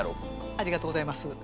ありがとうございます。